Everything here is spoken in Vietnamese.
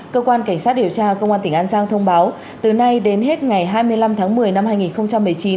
cơ quan cảnh sát điều tra công an tỉnh an giang thông báo từ nay đến hết ngày hai mươi năm tháng một mươi năm hai nghìn một mươi chín